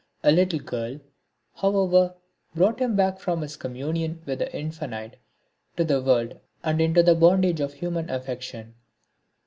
A little girl, however, brought him back from his communion with the infinite to the world and into the bondage of human affection.